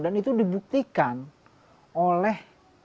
dan itu dibuktikan oleh